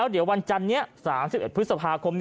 เดี๋ยววันจันนี้๓๑พฤษภาคม